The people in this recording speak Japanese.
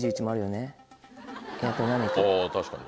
あぁ確かに。